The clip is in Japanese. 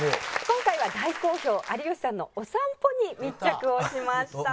今回は大好評有吉さんのお散歩に密着をしました。